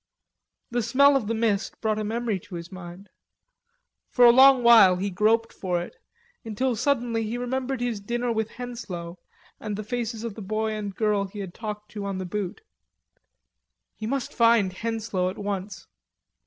The smell of the mist brought a memory to his mind. For a long while he groped for it, until suddenly he remembered his dinner with Henslowe and the faces of the boy and girl he had talked to on the Butte. He must find Henslowe at once.